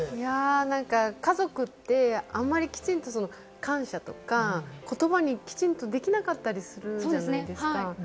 家族ってあまりきちんと感謝とか、言葉にできなかったりするじゃないですか。